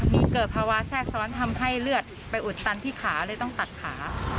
มีเกิดภาวะแทรกซ้อนทำให้เลือดไปอุดตันที่ขาเลยต้องตัดขา